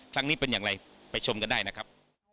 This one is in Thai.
ครั้งนี้เป็นอย่างไรไปชมกันได้นะครับ